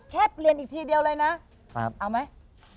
ครับครับแค่เปลี่ยนอีกทีเดียวเลยนะเอาไหม